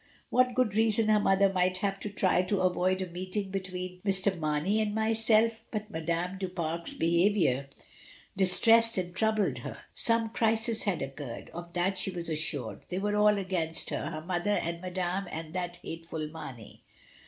what good reason her mother might have to try to avoid a meeting between Mr. Mamey and herself, but Madame du Fare's behaviour distressed and troubled her. Some crisis had occurred, of that she was assured. They were all against her, her mother and Madame and that hateful Mamey.